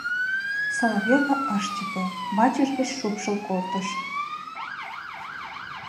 — Соловьёва ыш чыте, вачыж гыч шупшыл колтыш.